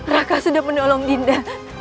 raka sudah menolong dinda